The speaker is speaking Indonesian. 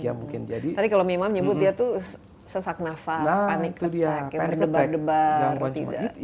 tadi kalau mimah menyebut dia sesak nafas panik ketat berdebar debar